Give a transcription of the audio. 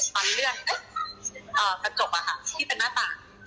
ปันเรื่องกระจกอ่ะค่ะที่เป็นหน้าต่าง